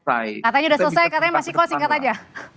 katanya sudah selesai katanya masih kosong kata aja